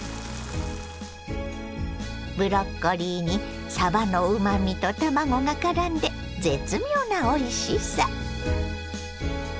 ブロッコリーにさばのうまみと卵がからんで絶妙なおいしさ。